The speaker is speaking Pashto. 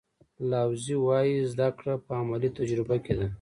لاوزي وایي زده کړه په عملي تجربه کې ده.